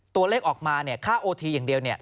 ตัวเลขออกมาเนี่ยค่าโอทีอย่างเดียวเนี่ย